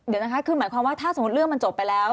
เดี๋ยวนะคะคือหมายความว่าถ้าสมมุติเรื่องมันจบไปแล้ว